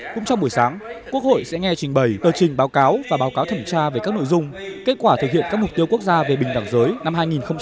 cũng trong buổi sáng quốc hội sẽ nghe trình bày tờ trình báo cáo và báo cáo thẩm tra về các nội dung kết quả thực hiện các mục tiêu quốc gia về bình đẳng giới năm hai nghìn một mươi tám